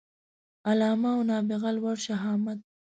علامه او نابغه لوړ شهامت